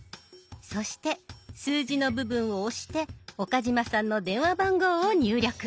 そして数字の部分を押して岡嶋さんの電話番号を入力。